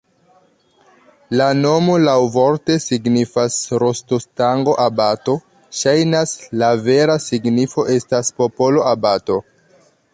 La nomo laŭvorte signifas rostostango-abato, ŝajnas, la vera signifo estas poplo-abato.